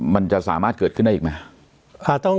มันจะสามารถเกิดขึ้นได้อีกไหม